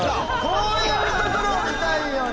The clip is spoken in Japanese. こういうところを見たいよね！